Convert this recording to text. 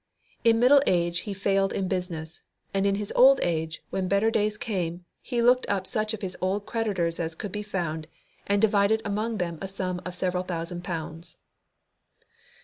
In middle age he failed in business, and in his old age, when better days came, he looked up such of his old creditors as could be found and divided among them a sum of several thousand pounds."